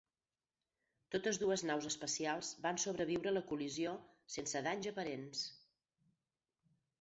Totes dues naus espacials van sobreviure la col·lisió sense danys aparents.